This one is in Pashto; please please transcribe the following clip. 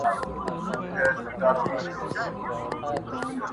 په جرګو کي به ګرېوان ورته څیرمه٫